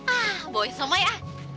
ah boin sama ya